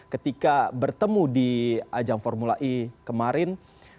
ketika bertemu di ajang formula e kemarin